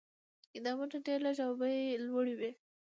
کتابونه ډېر لږ او بیې یې لوړې وې.